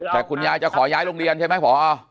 แต่คุณยายจะขอย้ายโรงเรียนใช่ไหมพอ